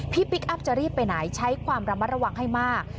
พลิกอัพจะรีบไปไหนใช้ความระมัดระวังให้มาก